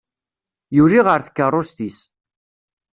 Yuli ɣer tkeṛṛust-is.